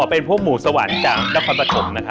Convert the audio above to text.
เป็นพวกหมูสวรรค์จากลับพระปราศกร